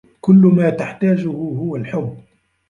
كل ما تحتاجه هو الحب.